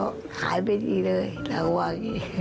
ขายไม่ดีเลยเราก็ว่า